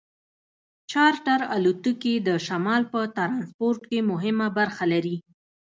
چارټر الوتکې د شمال په ټرانسپورټ کې مهمه برخه لري